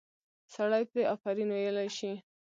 سړی پرې آفرین ویلی شي.